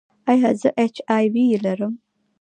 ایا زه ایچ آی وي لرم؟